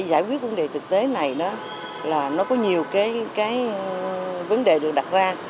giải quyết vấn đề thực tế này là nó có nhiều cái vấn đề được đặt ra